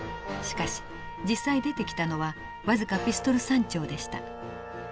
しかし実際出てきたのは僅かピストル３丁でした。